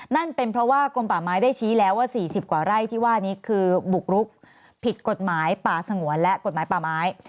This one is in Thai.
นั่นเป็นเพราะว่ากลมป่าไม้ได้ชี้แล้วว่า๔๐กว่าไร่ที่ว่านี้คือบุกรุกผิดกฎหมายป่าสงวนและกฎหมายป่าไม้